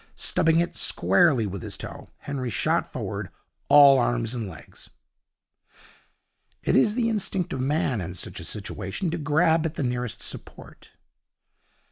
Stubbing it squarely with his toe, Henry shot forward, all arms and legs. It is the instinct of Man, in such a situation, to grab at the nearest support.